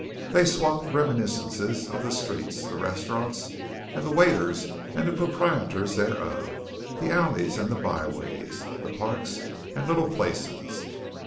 They swapped reminiscences of the streets; the restaurants, and the waiters and proprietors thereof; the alleys and byways, the parks and little places.